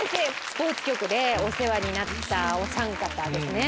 スポーツ局でお世話になったおさん方ですね。